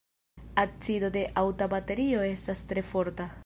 Acido de aŭta baterio estas tre forta.